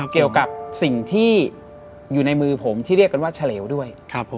เกี่ยวกับสิ่งที่อยู่ในมือผมที่เรียกกันว่าเฉลวด้วย